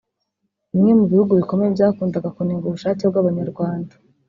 Bimwe mu bihugu bikomeye byakundaga kunenga ubushake bw’Abanyarwanda